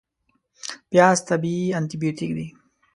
پیاز طبیعي انتي بیوټیک دی